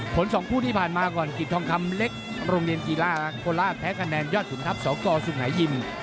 สองคู่ที่ผ่านมาก่อนกิจทองคำเล็กโรงเรียนกีฬาโคราชแพ้คะแนนยอดขุนทัพสกสุงหายิม